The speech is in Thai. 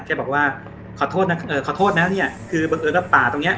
แกบอกว่าขอโทษนะเอ่อขอโทษนะเนี่ยคือบังเอิญว่าป่าตรงเนี้ย